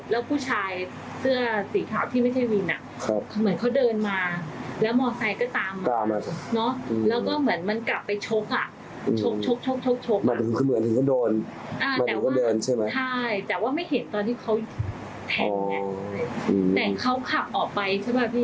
และผู้ชายสื่อสีขาวที่ไม่ใช่วินร์เขาเดินมา